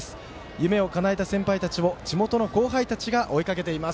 夢をかなえた先輩たちを地元の後輩たちが追いかけています。